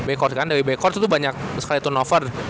backcourt kan dari backcourt tuh banyak sekali turnover